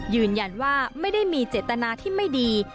ยืนยันว่าไม่ได้มีเจตนาที่ไม่ดี